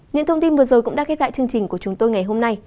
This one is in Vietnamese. những thông tin vừa rồi cũng đã khép lại chương trình của chúng tôi ngày hôm nay